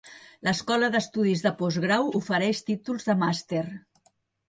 L'Escola d'estudis de postgrau ofereix títols de màster.